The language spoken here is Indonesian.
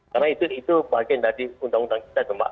karena itu bagian dari undang undang kita tembak